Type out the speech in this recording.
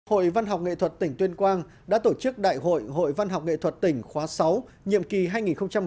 hội văn học nghệ thuật tỉnh tuyên quang đã tổ chức đại hội hội văn học nghệ thuật tỉnh khóa sáu nhiệm kỳ hai nghìn một mươi năm hai nghìn hai mươi